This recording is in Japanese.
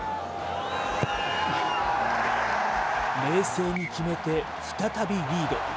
冷静に決めて、再びリード。